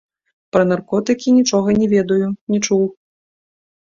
Пра наркотыкі нічога не ведаю, не чуў.